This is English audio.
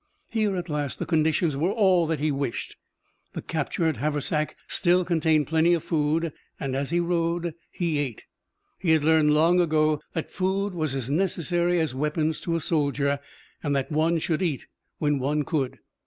Here, at last, the conditions were all that he wished. The captured haversack still contained plenty of food, and, as he rode, he ate. He had learned long ago that food was as necessary as weapons to a soldier, and that one should eat when one could.